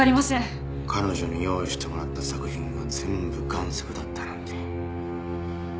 彼女に用意してもらった作品が全部贋作だったなんて。